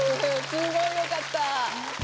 すごいよかった。